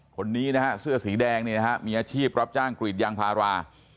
คนนี้นะฮะเสื้อสีแดงเนี่ยนะฮะมีอาชีพรับจ้างกรีดยางพารา